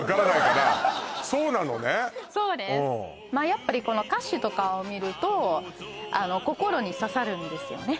やっぱりこの歌詞とかを見ると心に刺さるんですよね